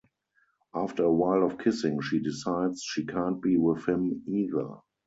After a while of kissing she decides she can't be with him either.